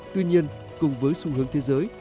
tuy nhiên cùng với xu hướng thế giới